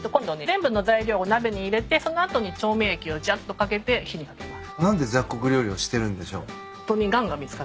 全部の材料を鍋に入れてその後に調味液をじゃっと掛けて火にかけます。